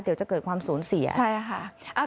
เดี๋ยวจะเกิดความสูญเสียใช่ค่ะ